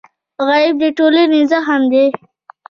غریب د ټولنې زخم دی